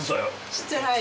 してない。